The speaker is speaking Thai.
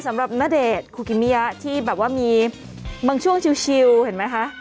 สำหรับณเดชน์คุกิมิยะที่แบบว่ามีบางช่วงชิวเห็นไหมคะ